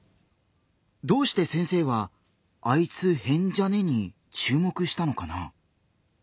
どうして先生は「あいつ変じゃね？」に注目したのかな？